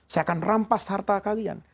saya akan rampas harta kalian